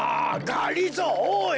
がりぞーおい！